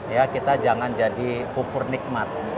ya kita jangan jadi pufurnikmat